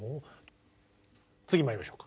次まいりましょうか。